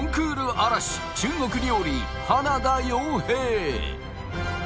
荒らし中国料理花田洋平